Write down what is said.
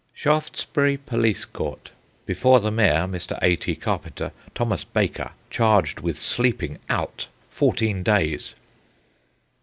Shaftesbury Police Court. Before the Mayor (Mr. A. T. Carpenter). Thomas Baker, charged with sleeping out. Fourteen days.